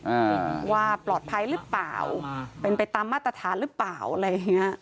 อ่าว่าปลอดภัยหรือเปล่าอ่าเป็นไปตามมาตรฐานหรือเปล่าอะไรอย่างเงี้ย